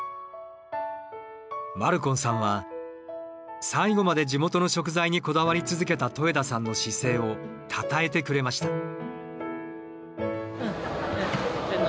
マルコンさんは最後まで地元の食材にこだわり続けた戸枝さんの姿勢をたたえてくれました。